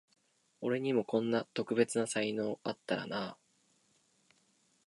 俺にもこんな特別な才能あったらなあ